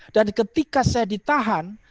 dan ketika saya ditahan